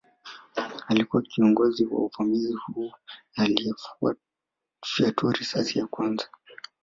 Alikuwa kiongozi wa uvamizi huu na aliyefyatua risasi ya kwanza